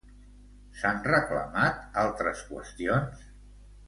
S'han reclamat altres qüestions?